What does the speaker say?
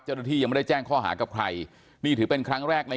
เจ้าหน้าที่ยังไม่ได้แจ้งข้อหากับใครนี่ถือเป็นครั้งแรกใน